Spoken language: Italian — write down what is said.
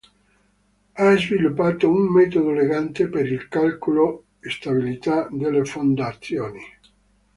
Ha sviluppato un metodo elegante per il calcolo stabilità delle fondazioni.